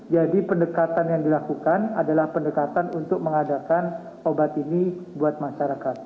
jadi pendekatan yang dilakukan adalah pendekatan untuk mengadakan obat ini buat masyarakat